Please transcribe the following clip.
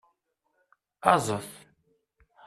Aẓet!